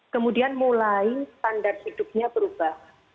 kemudian mulai standar hidupnya berubah